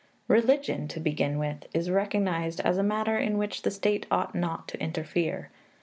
Religion, to begin with, is recognized as a matter in which the state ought not to interfere.